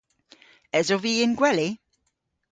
Esov vy y'n gweli?